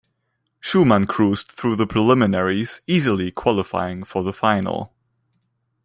Schumann cruised through the preliminaries, easily qualifying for the final.